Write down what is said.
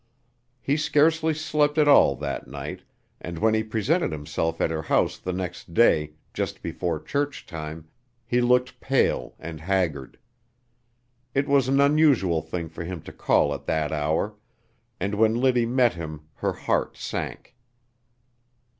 He scarcely slept at all that night, and when he presented himself at her house the next day, just before church time, he looked pale and haggard. It was an unusual thing for him to call at that hour, and when Liddy met him her heart sank.